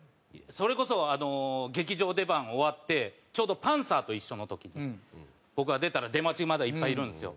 それこそ劇場出番終わってちょうどパンサーと一緒の時に僕が出たら出待ちまだいっぱいいるんですよ。